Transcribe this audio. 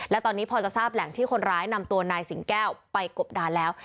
และตอนนี้พอจะทราบแหล่งที่คนร้ายนำตัวนายสิงแก้วไปกบดานแล้ว